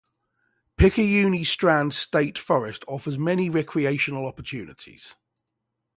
Picayune Strand State Forest offers many recreational opportunities.